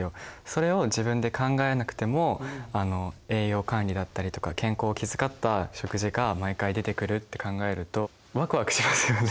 それを自分で考えなくても栄養管理だったりとか健康を気遣った食事が毎回出てくるって考えるとワクワクしますよね。